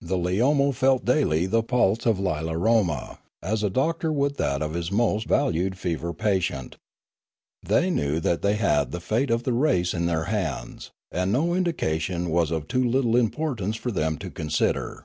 The Leomo felt daily the pulse of Lilaroma as a doctor would that of his most valued fever patient. They knew that they had the fate of the race in their hands, and no indication was of too little importance for them to consider.